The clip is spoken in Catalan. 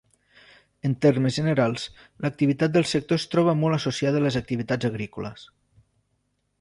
En termes generals, l'activitat del sector es troba molt associada a les activitats agrícoles.